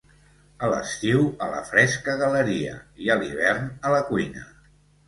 A l'estiu a la fresca galeria; i a l'hivern, a la cuina.